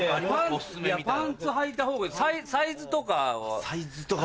パンツはいたほうがいいサイズとかは。